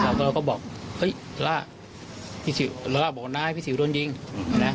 แล้วเราก็บอกเฮ้ยล่าพี่สิวล่าบอกว่านายพี่สิวโดนยิงนะ